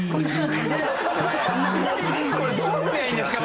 これどうすりゃいいんですか？